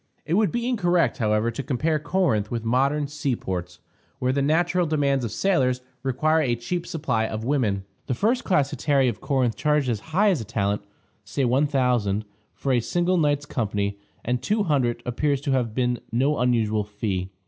It would be incorrect, however, to compare Corinth with modern sea ports, where the natural demands of sailors require a cheap supply of women. The first class hetairæ of Corinth charged as high as a talent (say $1000) for a single night's company, and $200 appears to have been no unusual fee.